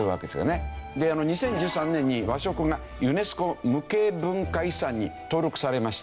２０１３年に和食がユネスコ無形文化遺産に登録されました。